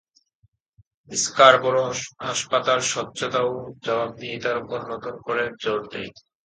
Scarborough হাসপাতাল স্বচ্ছতা ও জবাবদিহিতার উপর নতুন করে জোর দেয়।